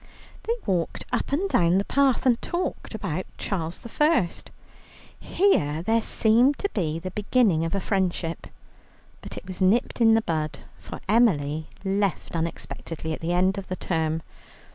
They walked up and down the path and talked about Charles I. Here there seemed the beginning of a friendship, but it was nipped in the bud, for Emily left unexpectedly at the end of the term.